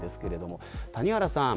谷原さん